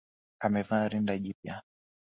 Amevaa rinda jipya